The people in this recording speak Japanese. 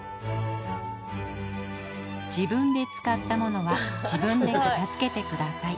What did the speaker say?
「自分で使った物は自分で片付けてください」。